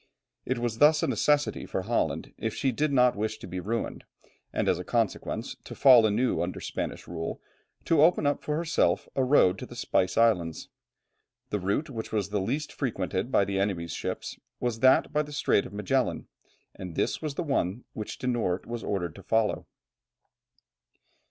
It was thus a necessity for Holland if she did not wish to be ruined, and as a consequence, to fall anew under Spanish rule, to open up for herself a road to the Spice Islands. The route which was the least frequented by the enemy's ships was that by the Strait of Magellan, and this was the one which De Noort was ordered to follow.